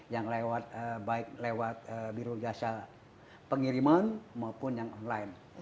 yang lewat baik lewat biro jasa pengiriman maupun yang online